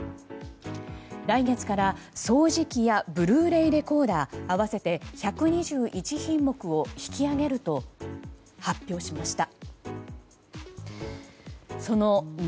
来月から掃除機やブルーレイレこーダー合わせて１２１品目を引き上げると発表しました。